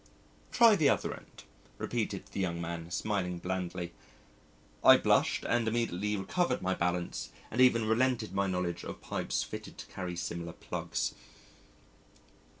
"Try the other end," repeated the young man, smiling blandly. I blushed, and immediately recovered my balance, and even related my knowledge of pipes fitted to carry similar plugs....